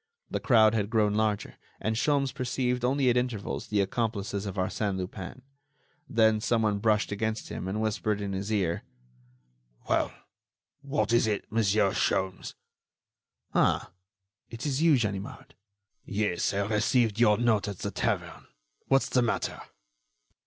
The crowd had grown larger, and Sholmes perceived only at intervals the accomplices of Arsène Lupin. Then someone brushed against him and whispered in his ear: "Well? what is it, Monsieur Sholmes?" "Ah! it is you, Ganimard?" "Yes; I received your note at the tavern. What's the matter?"